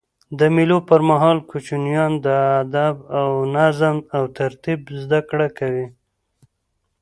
د مېلو پر مهال کوچنيان د ادب، نظم او ترتیب زدهکړه کوي.